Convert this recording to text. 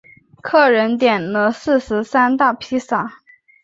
客人点了四十三大披萨